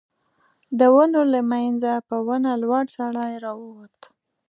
د ونو له مينځه په ونه لوړ سړی را ووت.